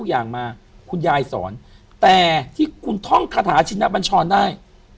อย่างมาคุณยายสอนแต่ที่คุณท่องคาถาชินบัญชรได้